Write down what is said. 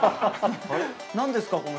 何ですか？